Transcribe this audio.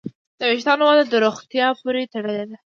د وېښتیانو وده روغتیا پورې تړلې ده.